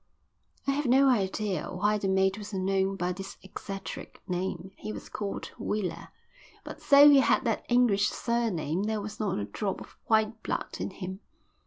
I have no idea why the mate was known by that eccentric name. He was called Wheeler, but though he had that English surname there was not a drop of white blood in him.